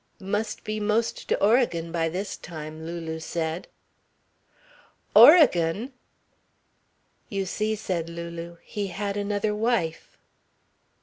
"Must be 'most to Oregon by this time," Lulu said. "Oregon!" "You see," said Lulu, "he had another wife."